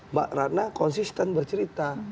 mbak randa konsisten bercerita